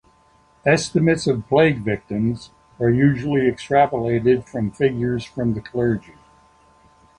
Estimates of plague victims are usually extrapolated from figures from the clergy.